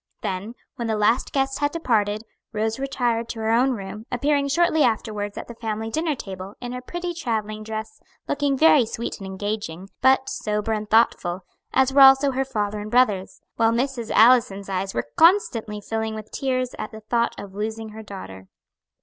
Then, when the last guest had departed, Rose retired to her own room, appearing shortly afterwards at the family dinner table in her pretty travelling dress, looking very sweet and engaging, but sober and thoughtful, as were also her father and brothers; while Mrs. Allison's eyes were constantly filling with tears at the thought of losing her daughter.